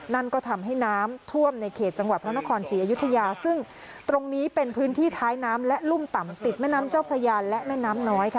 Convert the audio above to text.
นั่นก็ทำให้น้ำท่วมในเขตจังหวัดพระนครศรีอยุธยาซึ่งตรงนี้เป็นพื้นที่ท้ายน้ำและรุ่มต่ำติดแม่น้ำเจ้าพระยาและแม่น้ำน้อยค่ะ